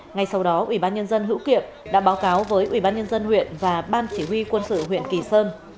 ngay sau đó ubnd hữu kiệm đã báo cáo với ubnd huyện và ban chỉ huy quân sự huyện kỳ sơn